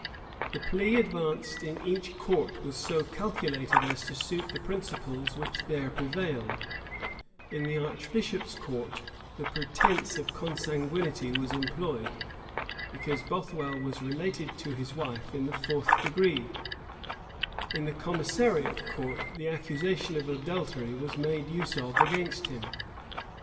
The plea advanced in each court was so calculated as to suit the principles which there prevailed; in the archbishop's court, the pretence of consanguinity was employed, because Bothwell was related to his wife in the fourth degree; in the commissariot court, the accusation of adultery was made use of against him.